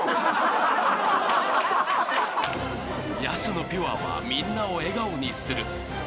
［ヤスのピュアはみんなを笑顔にする］